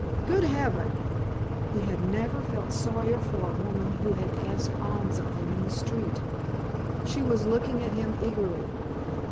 "Good heaven!" He had never felt sorrier for a woman who had asked alms of him in the street. She was looking at him eagerly.